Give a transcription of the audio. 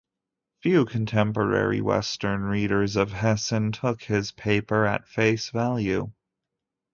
Few contemporary Western readers of Hessen took his paper at face value.